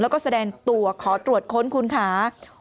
แล้วก็แสดงตัวขอตรวจค้นคุณค่ะ